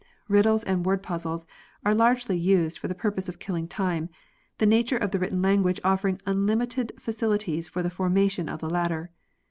Eiddles and word puzzles are largely used for the purpose of killing time, the nature of the written language offering unlimited facilities for the formation of the latter.